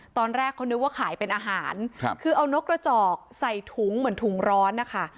ตอนแรกเขานึกว่าขายเป็นอาหารคือเอานกกระจอกใส่ถุงเหมือนถุงร้อนนะคะ